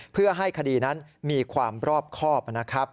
เพื่อให้คดีนั้นมีความรอบครอบนะครับ